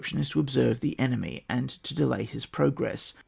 tion, is to observe the enemy, and to delay his progress.